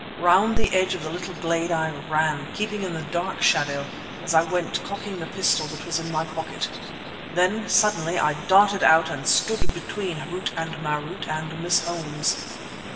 Round the edge of the little glade I ran, keeping in the dark shadow, as I went cocking the pistol that was in my pocket. Then suddenly I darted out and stood between Harût and Marût and Miss Holmes.